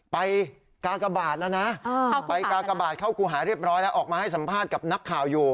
กากบาทแล้วนะไปกากบาทเข้าครูหาเรียบร้อยแล้วออกมาให้สัมภาษณ์กับนักข่าวอยู่